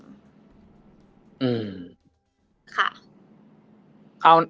ฟิวเชิง